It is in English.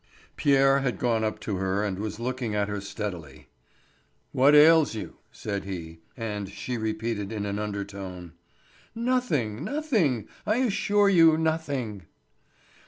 Pierre had gone up to her and was looking at her steadily. "What ails you?" he said. And she repeated in an undertone: "Nothing, nothing—I assure you, nothing."